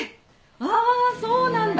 あそうなんだ。